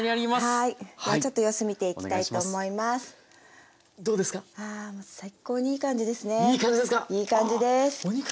いい感じですか！